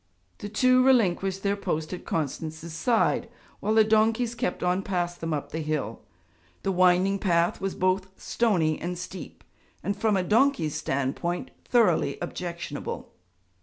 The two relinquished their post at Constance's side, while the donkeys kept on past them up the hill. The winding path was both stony and steep, and, from a donkey's standpoint, thoroughly objectionable.